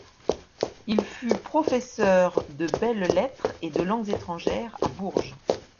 Il fut professeur de Belles-Lettres et de Langues étrangères à Bourges.